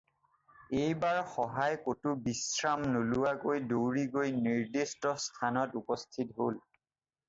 এইবাৰ শহাই ক'তো বিশ্ৰাম নোলোৱাকৈ দৌৰি গৈ নিৰ্দিষ্ট স্থানত উপস্থিত হ'ল।